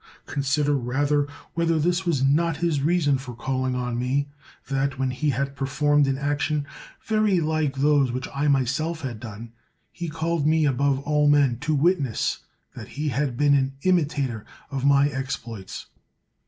Consider rather whether this was 178 CICERO not his reason for calling on me, that, when he had performed an action very like those which I myself had done, he called me above all men to witness that he had been an imitator of my ex ploits.